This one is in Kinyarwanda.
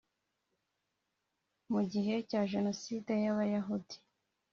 Mu gihe cya Jenoside y’abayahudi